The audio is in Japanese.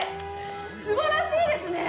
すばらしいですね！